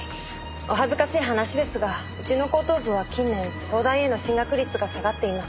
お恥ずかしい話ですがうちの高等部は近年東大への進学率が下がっています。